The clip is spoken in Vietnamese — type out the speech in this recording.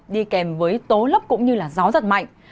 đi kèm với tố lấp cũng như gió rất mạnh